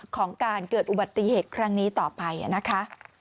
ของการเกิดอุบัติเหตุครั้งนี้ต่อไปนะคะ